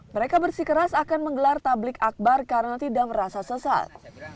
mereka bersikeras akan menggelar tablik akbar karena tidak merasa sesat